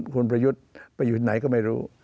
คุณประยุทธ์ไปอยู่ไหนก็ไม่รู้